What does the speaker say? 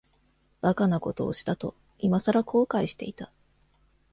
馬鹿なことをしたと、いまさら後悔していた。